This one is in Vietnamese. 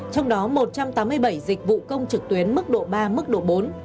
trong đó một trăm tám mươi bảy dịch vụ công trực tuyến mức độ ba mức độ bốn